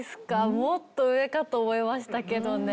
もっと上かと思いましたけどね。